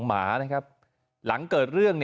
มีภาพจากกล้อมรอบหมาของเพื่อนบ้าน